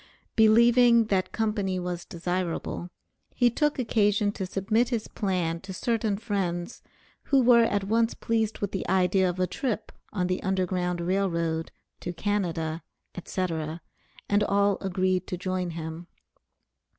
Believing that company was desirable, he took occasion to submit his plan to certain friends, who were at once pleased with the idea of a trip on the Underground Rail Road, to Canada, etc; and all agreed to join him.